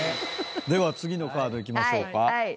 では次のカードいきましょうか。